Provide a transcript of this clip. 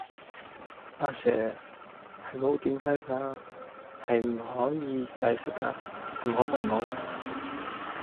阿 sir, 係冇點解架,係唔可以解釋架,唔好問我啦!